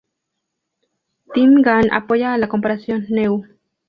Tim Gane apoya a la comparación: "Neu!